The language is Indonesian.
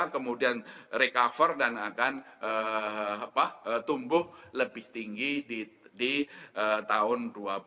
kemudian recover dan akan tumbuh lebih tinggi di tahun dua ribu dua puluh